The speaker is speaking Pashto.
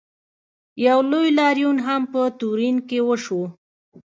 یو لوی لاریون هم په تورین کې وشو.